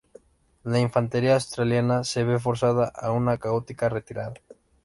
La infantería australiana se ve forzada a una caótica retirada.